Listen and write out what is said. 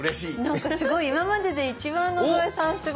なんか今までで一番野添さんすごい。